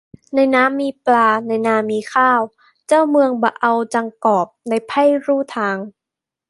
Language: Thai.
ในน้ำมีปลาในนามีข้าว เจ้าเมืองบ่เอาจกอบในไพร่ลู่ทาง